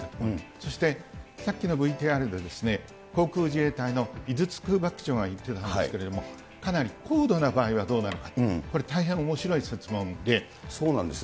そして、さっきのＶＴＲで航空自衛隊の井筒空幕長が言っていたんですけれども、かなり高度な場合はどうなのか、これ、大変おもしろい設問そうなんですね、